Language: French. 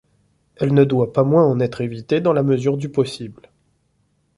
Elle ne doit pas moins en être évitée dans la mesure du possible.